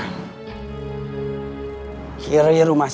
jangan lupa subscribe like share dan share